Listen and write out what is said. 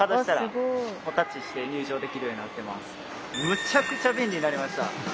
むちゃくちゃ便利になりました。